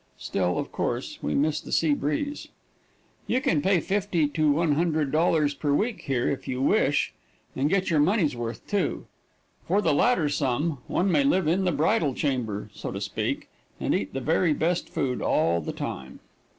Still, of course, we miss the sea breeze. You can pay $50 to $100 per week here if you wish, and get your money's worth, too. For the latter sum one may live in the bridal chamber, so to speak, and eat the very best food all the time.